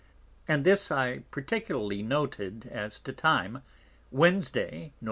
And this I particularly noted as to Time, _Wednesday, Nov.